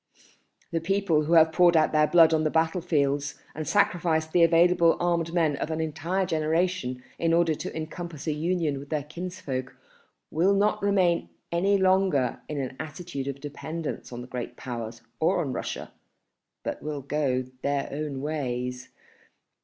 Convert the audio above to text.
. The people who have poured out their blood on the battlefields and sacrificed the available armed men of an entire generation in order to encompass a union with their kinsfolk will not remain any longer in an attitude of dependence on the Great Powers or on Russia, but will go their own ways